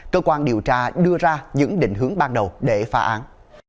cơ quan điều tra đưa ra những định hướng ban đầu để phá án